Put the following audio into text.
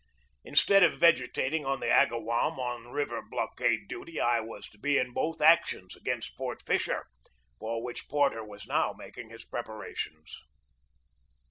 Instead of vegetating on the Agawam on river blockade duty, I was to be in both actions against Fort Fisher, for which Porter was now making his preparations.